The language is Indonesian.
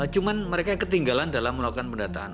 cuma mereka ketinggalan dalam melakukan pendataan